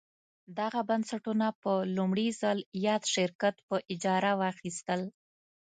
دغه بنسټونه په لومړي ځل یاد شرکت په اجاره واخیستل.